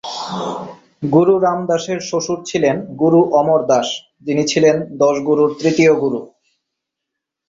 গুরু রাম দাসের শ্বশুর ছিলেন গুরু অমর দাস, যিনি ছিলেন দশ গুরুর তৃতীয় গুরু।